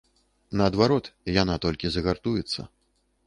Наадварот, яна толькі загартуецца.